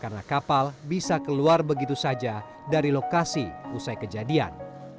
karena kapal bisa keluar begitu saja dari lokasi usai kejadian